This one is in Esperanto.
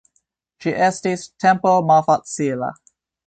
Ĝi estis tempo malfacila.